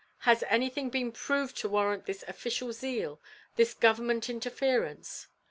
Has anything been proved to warrant this official zeal this government interference?